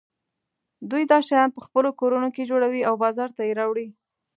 دوی دا شیان په خپلو کورونو کې جوړوي او بازار ته یې راوړي.